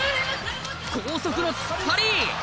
高速の突っ張り。